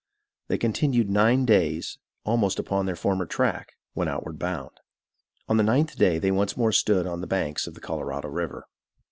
They continued nine days almost upon their former track, when outward bound. On the ninth day, they once more stood on the banks of the Colorado River.